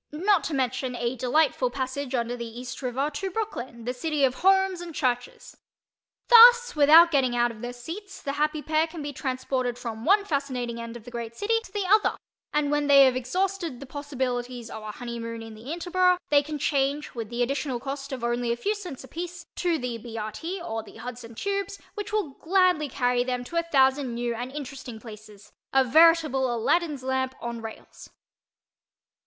not to mention a delightful passage under the East River to Brooklyn, the city of homes and churches. Thus without getting out of their seats the happy pair can be transported from one fascinating end of the great city to the other and when they have exhausted the possibilities of a honeymoon in the Interborough they can change, with the additional cost of only a few cents apiece, to the B. R. T. or the Hudson Tubes which will gladly carry them to a thousand new and interesting places—a veritable Aladdin's lamp on rails.